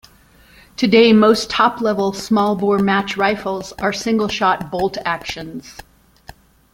Today most top-level smallbore match rifles are single-shot bolt actions.